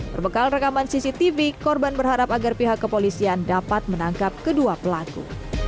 berbekal rekaman cctv korban berharap agar pihak kepolisian dapat menangkap kedua pelaku